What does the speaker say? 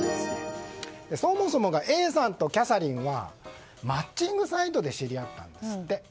そもそもがＡさんとキャサリンはマッチングサイトで知り合ったんですって。